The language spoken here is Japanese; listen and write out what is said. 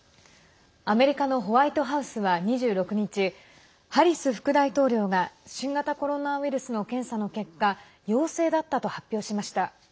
アメリカのホワイトハウスは２６日ハリス副大統領が新型コロナウイルスの検査の結果陽性だったと発表しました。